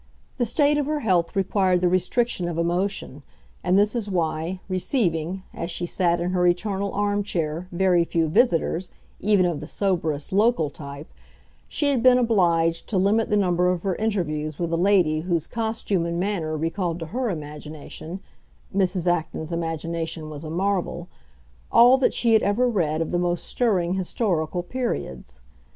The state of her health required the restriction of emotion; and this is why, receiving, as she sat in her eternal arm chair, very few visitors, even of the soberest local type, she had been obliged to limit the number of her interviews with a lady whose costume and manner recalled to her imagination—Mrs. Acton's imagination was a marvel—all that she had ever read of the most stirring historical periods.